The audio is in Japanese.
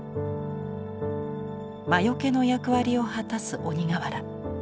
魔よけの役割を果たす鬼瓦。